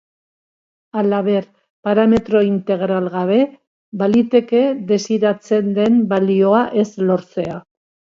Halaber, parametro integral gabe, baliteke desiratzen den balioa ez lortzea.